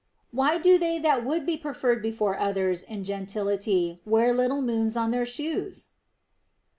Why do they that would be preferred be fore others in gentility wear little moons on their shoes